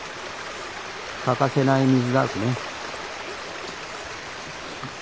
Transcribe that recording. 欠かせない水だしね。